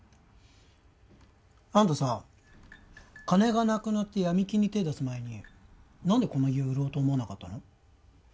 あんたさ金がなくなって闇金に手出す前に何でこの家を売ろうと思わなかったの？